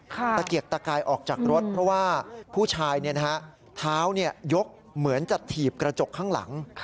ตะเกียกตะกายออกจากรถเพราะว่าผู้ชายเท้ายกเหมือนจะถีบกระจกข้างหลัง